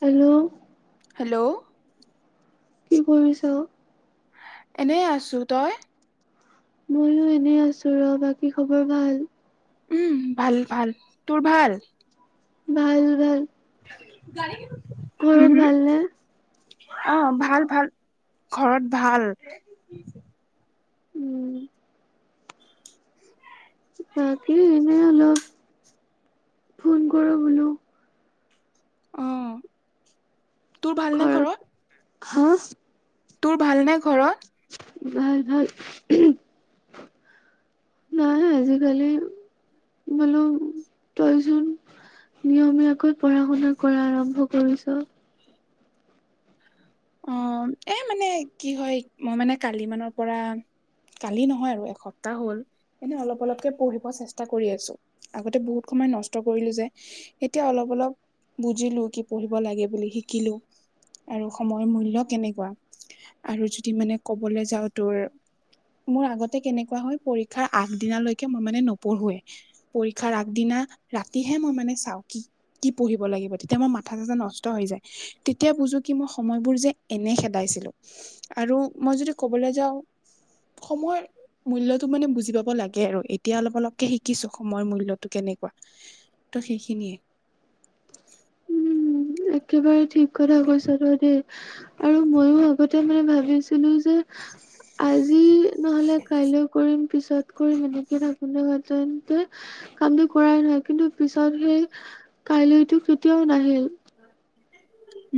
Hello hello কি কৰিছ? এনেই আছোঁ তই? ময়ো এনে আছোঁ ৰ'বা বাকী খবৰ ভাল? উম ভাল-ভাল তোৰ ভাল? ভাল-ভাল। [inaudible] ঘৰত ভালনে? অ' ভাল-ভাল ঘৰত ভাল। উম বাকী এনে অলপ, ফোন কৰোঁ বোলো। অ' তোৰ ভালনে ঘৰত? হা তোৰ ভালনে ঘৰত? ভাল-ভাল, হুম নাই আজিকালি বোলো তইচোন নিয়মীয়াকৈ পঢ়া শুনা কৰা আৰম্ভ কৰিছ। অ' এ মানে কি হয় মই মানে কালি মানৰ পৰা কালি নহয় আৰু এসপ্তাহ হ'ল এনে অলপ অলপকে পঢ়িব চেষ্টা কৰি আছোঁ। আগতে বহুত সময় নষ্ট কৰিলোঁ যে এতিয়া অলপ-অলপ বুজিলোঁ কি পঢ়িব লাগে বুলি শিকিলোঁ। সময়ৰ মূল্য কেনেকুৱা আৰু যদি মানে ক'বলৈ যাও তোৰ মোৰ আগতে কেনেকুৱা হয় পৰীক্ষাৰ আগ দিনালৈকে মই মানে নপঢ়োৱে। পৰীক্ষাৰ আগদিনা ৰাতিহে মই মানে চাও কি কি পঢ়িব লাগিব তেতিয়া মই মাথা চাথা নষ্ট হৈ যায় তেতিয়া বুজো কি মই সময়বোৰ যে এনে খেদাইছিলো আৰু মই যদি ক'বলৈ যাওঁ সময় মূল্যতটো মানে বুজি পাব লাগে আৰু এতিয়া অলপ অলপকে শিকিছো সময়ৰ মূল্যতটো কেনেকুৱা। ত' সেইখিনিয়ে উম একেবাৰে ঠিক কথা কৈছ তই দেই আৰু ময়ো আগতে মানে ভাবিছিলো যে আজি নহ'লে কাইলৈ কৰিম পিছত কৰিম এনেকে ভাবিলোঁ হেতেঁন কামটো কৰাই নহয় কিন্তু পিছত সেই কাইলৈতো কেতিয়াও নাহিল।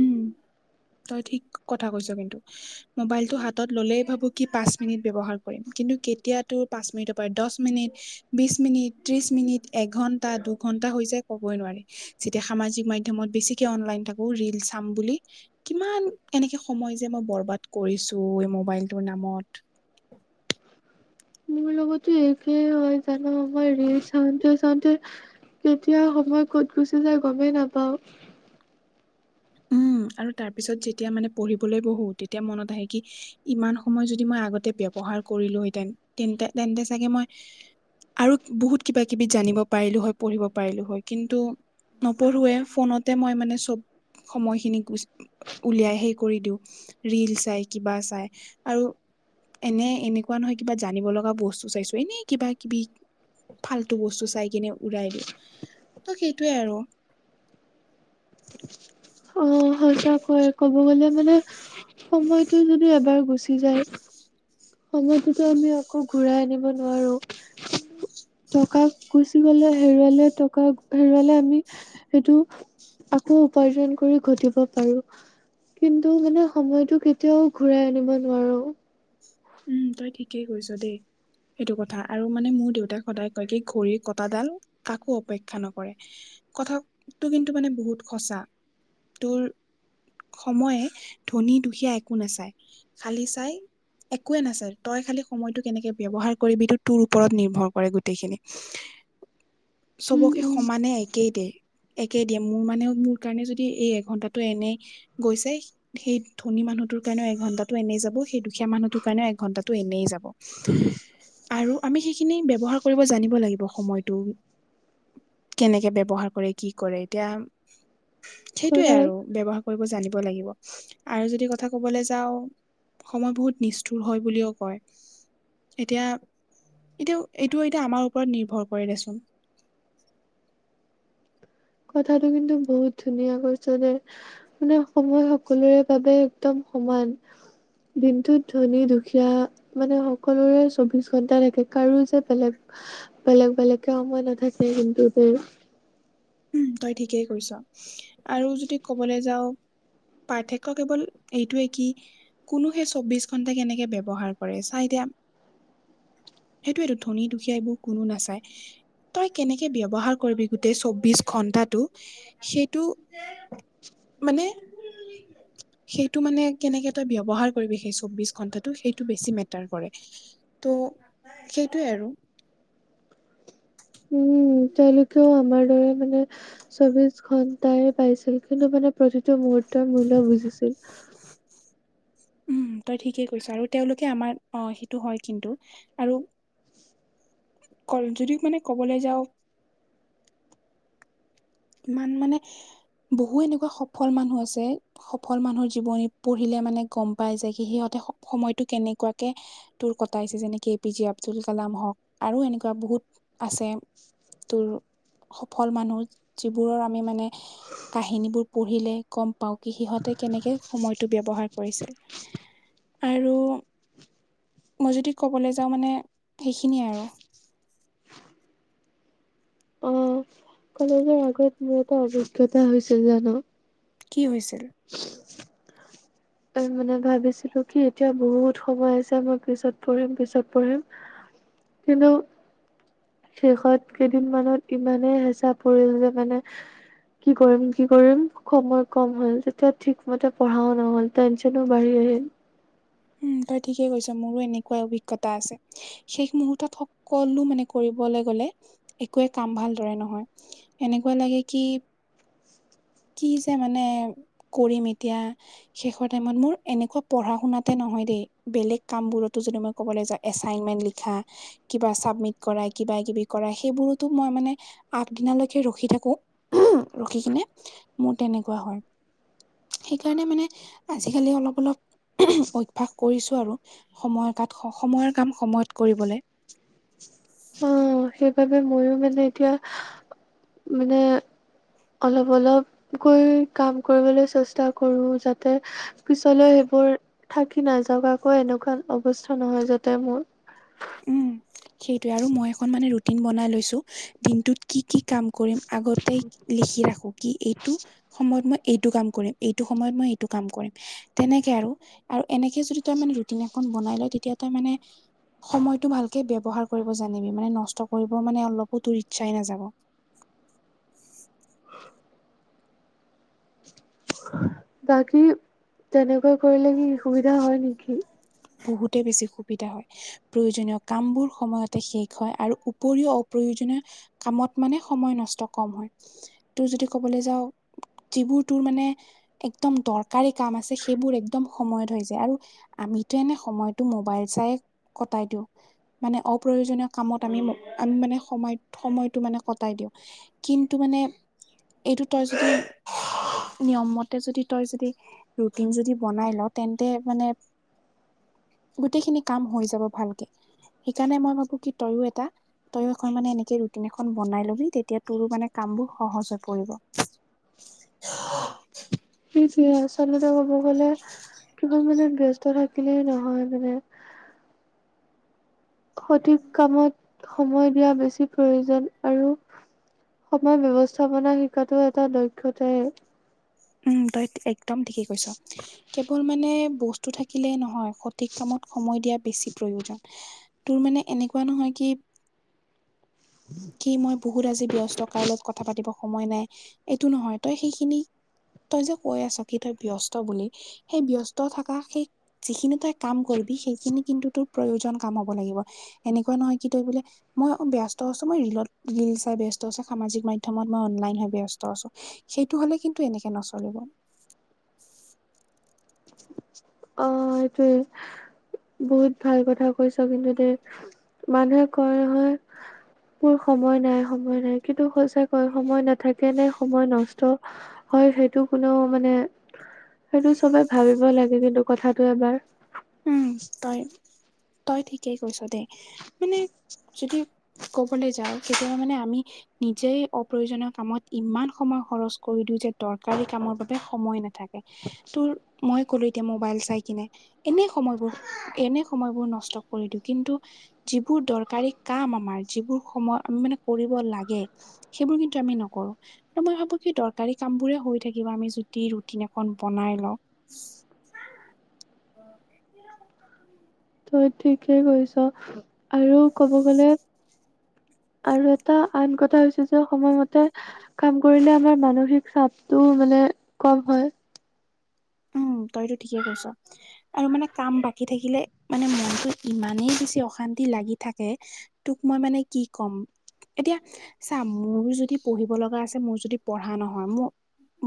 উম তই ঠিক কথা কৈছ কিন্তু। মোবাইলটো হাতত ল'লে ভাবো কি পাঁচ মিনিট ব্যৱহাৰ কৰিম কিন্তু কেতিয়াতো পাঁচ মিনিটৰ পৰা দহ মিনিট, বিশ মিনিট, ত্ৰিশ মিনিট, এঘন্টা, দুঘন্টা হৈ যায় ক'বই নোৱাৰি। যেতিয়া সামাজিক মাধ্যমত বেছিকে অনলাইন থাকোঁ ৰিল চাম বুলি কিমান এনেকে সময় যে মই বৰবাদ কৰিছোঁ এই মোবাইলটোৰ নামত। মোৰ লগতো একেই হয় যান মই ৰিল চাওঁতে- চাওঁতে কেতিয়া সময় ক'ত গুচি যায় গমেই নাপাওঁ। উম আৰু তাৰ পিছত যেতিয়া মানে পঢ়িবলৈ বহোঁ তেতিয়া মনত আহে কি ইমান সময় যদি মই আগতে ব্যৱহাৰ কৰিলোহেতেন তেন্তে, তেন্তে চাগে মই আৰু বহুত কিবা কিবি জানিব পাৰিলোঁ হয়, পঢ়িব পাৰিলোঁ হয় কিন্তু নপঢ়োৱে ফোনতে মই মানে চব সময়খিনি উলিয়াই সেই কৰি দিও ৰিল চাই কিবা চাই আৰু এনে এনেকুৱা নহয় কিবা জানিব লগা বস্তু চাইছো এনে কিবা কিবি ফাল্তু বস্তু চাই কিনে উৰাই দিওঁ ত' সেইটোৱে আৰু। সজাগ হয় ক'ব গ'লে মানে সময়টো যদি এবাৰ গুচি যায়। সময়তোত আমি আকৌ ঘূৰাই আনিব নোৱাৰো। টকা গুচি গলে হেৰুৱালে টকা হেৰুৱালে আমি সেইটো আকৌ উপাৰ্জন কৰি ঘটিব আৰু কিন্তু মানে সময়তটো কেতিয়াও ঘূৰাই আনিব নোৱাৰো। উম তই ঠিকেই কৈছ দেই। সেইটো কথা আৰু মানে মোৰ দেউতাক সদায় কয় কি ঘড়ীৰ কটাডাল কাকো অপেক্ষা নকৰে। কথাটো কিন্তু মানে বহুত সচাঁ তোৰ সময়ে ধনী দুখীয়া একো নাচায় খালী চাই একোৱে নাচাই তই খালি সময়টো কেনেকে ব্যৱহাৰ কৰিবি তোৰ ওপৰত নিৰ্ভৰ কৰে গোটেইখিনি। [inaudible] চবকে উম। সমানে একেই দে। একে দিয়ে মোৰ মানে মোৰ কাৰণে যদি এই এঘন্টাটো এনেই গৈছে সেই ধনী মানুহটোৰ কাৰণেও এঘন্টাটো এনেই যাব সেই দুখীয়া মানুহতোক কাৰণে এক ঘন্টাটো এনেই যাব। আৰু আমি সেইখিনি ব্যৱহাৰ কৰিব জানিব লাগিব সময়টো। কেনেকে ব্যৱহাৰ কৰে কি কৰে এতিয়া সেইটোয়ে কথা আৰু ব্যৱহাৰ কৰিব জানিব লাগিব আৰু যদি কথা কবলৈ যাওঁ সময় বহুত নিচ কঠোৰ হয় বুলিও কয়। এতিয়া এইটো এতিয়া আমাৰ ওপৰত নিৰ্ভৰ কৰে দেচোন। কথাটো কিন্তু বহুত ধুনীয়া কৈছে দে। আপোনাৰ সময় সকলোৰে বাবে একদম সমান। দিনটোত ধনী দুখীয়া মানে সকলোৰে চৌবিশ ঘন্টা থাকে কাৰো যে বেলেগ বেলেগ-বেলেগ কে সময় নাঠাকে কিন্তু তো উম, তই ঠিকেই কয়চ আৰু যদি কবলৈ যাওঁ পাৰ্থক্য কেৱল এইটোয়ে কি কোনো সে চৌবিশ ঘণ্টা কেনেকে ব্যৱহাৰ কৰে চা এতিয়া সেইটোৱো ধনী দুখীয়া এইবোৰ কোনো নাচায়। তই কেনেকে ব্যৱহাৰ কৰিবি গোটেই চৌবিশ ঘন্টাটো সেইটো মানে সেইটো মানে কেনেকে তই ব্যয়ৱহাৰ কৰিবি সেই চৌবিশ ঘন্টাটো সেইটো বেছি মেটাৰ কৰে। ত' সেইটোৱে আৰু। উম, তেওঁলোকেও আমাৰ দৰে মানে চৌবিশ ঘন্টাই পাইছিল কিন্তু মানে প্ৰতিটো মুহুৰ্তৰ মূল্য় বুজিছিল। উম, তই ঠিকেই কৈছ আৰু তেওঁলোকে আমাৰ অ' সেইটো হয় কিন্তু। আৰু [unintelligible] যদিও মানে কবলৈ যাওঁ ইমান মানে বহু এনেকুৱা সফল মানুহ আছে সফল মানুহৰ জীৱনী পঢ়িলে মানে গম পাই যায় সিহঁতে সময়তটো কেনেকুৱাকে তোৰ কটাইছে যেনেকে A P J Abdul Kalam হওক আৰু এনেকুৱা বহুত আছে। তোৰ সফল মানুহ যিবোৰৰ আমি মানে কাহিনীবোৰ পঢ়িলে গম পাওঁ কি সিহঁতে কেনেকে সময়টো ব্যৱহাৰ কৰিছিল। আৰু মই যদি ক'বলে যাওঁ মানে সেইখিনিয়ে আৰু। অ'। কলেজৰ আগত মোৰ এটা অভিজ্ঞতা হৈছিল জানা কি হৈছিল? আৰু মানে ভাবিছিলো কি এতিয়া বহুত সময় আছে মই পিছত পঢ়িম, পিছত পঢ়িম। কিন্ত শেষত কেইদিনমানত ইমানেই হেঁচা পৰিল যে মানে কি কৰিম কি কৰিম সময় কম হ'ল তেতিয়া ঠিকমতে পঢ়াও নহ'ল। টেনচনো বাঢ়ি আহিল উম, তই ঠিকে কৈছ মোৰো এনেকুৱা অভিজ্ঞতা আছে। শেষ মুহূুৰ্তত সকলো মানে কৰিবলে গলে একোৱে কাম ভাল দৰে নহয়। এনেকুৱা লাগে কি। কি যে মানে কৰিম এতিয়া। শেষৰ টাইমত মোৰ এনেকুৱা পঢ়া শুনাতে নহয় দে বেলেগ কাম বোৰতো যদি মই ক'বলে যাওঁ এচাইনমেন্ট লিখা কিবা চাবমিট কৰা কিবা কিবি কৰা সেইবোৰটো মই মানে আগ দিনালেকে ৰখি থাকো। উমহ, ৰখি কিনে মোৰ তেনেকুৱা হয়। সেইকাৰণে মানে আজিকালি অলপ অলপ, অভ্যাস কৰিছোঁ আৰু সময়ৰ কাত স সময়ৰ কাম সময়ত কৰিবলে। অ সেইবাবে ময়ো মানে এতিয়া মানে অলপ অলপ কৈ কাম কৰিবলে চেষ্টা কৰোঁ যাতে পিছলৈ সেইবোৰ থাকি নাযাৱক। আকৌ এনেকুৱা অৱস্থা নহয় যাতে মোৰ উম [inaudible] সেইটোৱে আৰু মই এখন মানে ৰুটিন বনাই লৈছো দিনটোত কি কি কাম কৰিম আগতেই লিখি ৰাখো কি এইটো সময়ত মই এইটো কাম কৰিম এইটো সময়ত মই এইটো কাম কৰিম তেনেকে আৰু, আৰু এনেকে যদি তই মানে ৰুটিন এখন বনাই লয় তেতিয়া তই মানে সময়টো ভালকে ব্যৱহাৰ কৰিব জানিবি মানে নষ্ট কৰিব মানে অলপো তোৰ ইচ্ছাই নাযাব বাকী তেনেকুৱা কৰিলে কি সুবিধা হয় নিকি বহুতে বেছি সুবিধা হয়। প্ৰয়োজনীয় কামবোৰ সময়তে শেষ হয় আৰু উপৰিও অপ্ৰয়োজনীয় কামত মানে সময় নষ্ট কম হয় তোৰ যদি ক'বলে যাওঁ যিবোৰ তোৰ মানে একদম দৰকাৰী কাম আছে সেইবোৰ এক একদম সময়ত হৈ যায়। আৰু আমিটো এনে সময়টো মোবাইল চায়ে কটাই দিওঁ। মানে অপ্ৰয়োজনীয় কামত আমি ম আমি মানে সময় সময়টো মানে কটাই দিওঁ। কিন্তু মানে এইটো তই যদি নিয়ম মতে যদি তই যদি ৰুটিন যদি বনাই লৱ, তেন্তে মানে গোটেই খিনি কাম হৈ যাব ভালকে। সেইকাৰণে মই ভাবো কি তইও এটা তইও এখন মানে এনেকে ৰুটিন এখন বনাই লবি তেতিয়া তোৰো মানে কামবোৰ সহজ হৈ পৰিব। [unintelligible] কি ঠিয় আচলতে ক'ব গ'লে কিবা মানে ব্যস্ত থাকিলেই নহয় মানে সঠিক কামত সময় দিয়া বেছি প্ৰয়োজন আৰু সময় ব্যৱস্থাপনা শিকাটো এটা দক্ষতায়ে। উম তই একদম ঠিকেই কৈছ, কেৱল মানে বস্তু থাকিলেই নহয়। সঠিক কামত সময় দিয়া বেছি প্ৰয়োজন। তোৰ মানে এনেকুৱা নহয় কি কি মই বহুত আজি ব্যস্ত কাৰো লগত কথা পাতিব সময় নাই এইটো নহয় তই সেইখিনি তই যে কৈ আছ কি তই ব্যস্ত বুলি সেই ব্যস্ত থকা সেই যিখিনি তই কাম কৰিবি সেইখিনি কিন্তু তোৰ প্ৰয়োজন কাম হ'ব লাগিব। এনেকুৱা নহয় কি তই বোলে মই ব্যস্ত আছোঁ, মই ৰিলত ৰিল চাই ব্যস্ত আছোঁ। সামাজিক মাধ্যমত মই অনলাইন হৈ ব্যস্ত আছোঁ। সেইটো হ'লে কিন্তু এনেকে নচলিব। অ সেইটোৱে, বহুত ভাল কথা কৈছ কিন্তু দেই মানুহে কয় যে মোৰ সময় নাই সময় নাই। কিন্তু সঁচাকৈ সময় নেথাকে নে, সময় নষ্ট হয় সেইটো কোনেও মানে সেইটো চবে ভাবিব লাগে কিন্তু কথাটো এবাৰ উম, তই তই ঠিকেই কৈছ দে, মানে যদি ক'বলে যাওঁ তেতিয়া মানে আমি নিজেই অপ্ৰয়োজনীয় কামত ইমান সময় খৰচ কৰি দিওঁ যে দৰকাৰী কামৰ বাবে সময় নেথাকে। মই ক'লো এতিয়া মো'বাইল চাই কিনে এনেই সময়বোৰ, এনেই সময়বোৰ নষ্ট কৰি দিওঁ কিন্তু যিবোৰ দৰকাৰী কাম আমাৰ যিবোৰ সময় আমি মানে কৰিব লাগে। সেইবোৰ কিন্তু আমি নকৰোঁ। ত' মই ভাবো কি দৰকাৰী কামবোৰে হৈ থাকিব আমি যদি ৰুটিন এখন বনাই লওঁ। [unintelligible] তই ঠিকে কৈছ। আৰু ক'ব গ'লে আৰু এটা আন কথা হৈছে যে সময়মতে মতে কাম কৰিলে আমাৰ মানসিক চাপটো মানে কম হয়। উম তই এইটো ঠিকেই কৈছ। আৰু মানে কাম বাকী থাকিলে মানে মনটো ইমানেই বেছি অশান্তি লাগি থাকে। তোক মই মানে কি ক'ম। এতিয়া চা মোৰ যদি পঢ়িব লগা আছে মোৰ যদি পঢ়া নহয় মো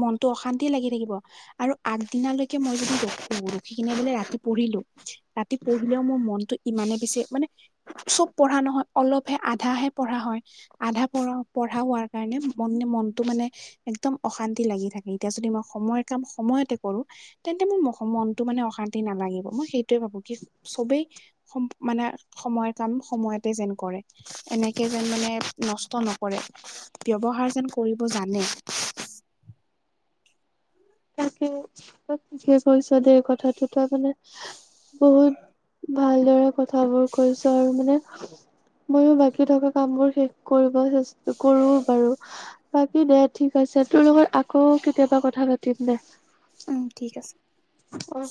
মনটো অশান্তি লাগি থাকিব, আৰু আগ দিনালৈকে মই যদি ৰখো ৰখি কিনে বোলে ৰাতি পঢ়িলো। ৰাতি পঢ়িলেও মোৰ মনটো ইমানে বেছি মানে চব পঢ়া নহয়, অলপহে আধাহে পঢ়া হয়, আধা পঢ় পঢ়া হোৱাৰ কাৰণে মন মনটো মানে একদম অশান্তি লাগি থাকে। এতিয়া যদি মই সময়ৰ কাম সময়তে কৰোঁ, তেন্তে মোৰ ম মনটো মানে অশান্তি নালাগিব। মই সেইটোৱে ভাবো, কি চবেই সম মানে সময়ৰ কাম সময়তে যেন কৰে। এনেকে যেন মানে নষ্ট নকৰে। ব্যৱহাৰ যেন কৰিব জানে। তাকে কৈছ যে কথাটো তাৰ মানে বহুত ভালদৰে কথাবোৰ কৈছ আৰু মানে ময়ো বাকী থকা কামবোৰ শেষ কৰিব চে কৰোঁ বাৰু। বাকী দে ঠিক আছে তোৰ লগত আকৌ কেতিয়াবা কথা পাতিম দে। উম ঠিক আছে। অহ।